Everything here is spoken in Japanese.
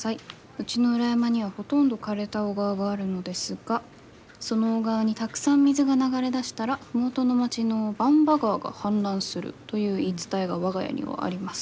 うちの裏山にはほとんど枯れた小川があるのですがその小川にたくさん水が流れ出したら麓の町の番場川が氾濫するという言い伝えが我が家にはあります」。